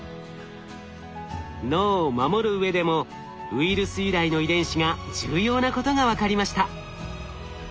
脳を守る上でもウイルス由来の遺伝子が重要なことが分かりました。